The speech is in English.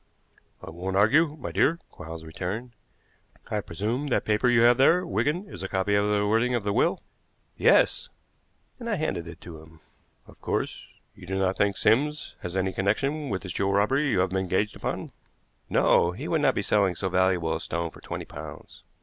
"I won't argue, my dear," Quarles returned. "I presume that paper you have there, Wigan, is a copy of the wording of the will?" "Yes," and I handed it to him. "Of course, you do not think Sims has any connection with this jewel robbery you have been engaged upon?" "No; he would not be selling so valuable a stone for twenty pounds."